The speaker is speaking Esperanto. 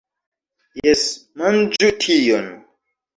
Jes! Manĝu tion!